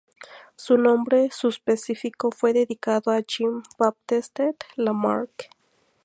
Su nombre subespecífico fue dedicado a Jean-Baptiste Lamarck.